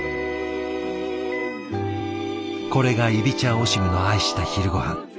これがイビチャ・オシムの愛した昼ごはん。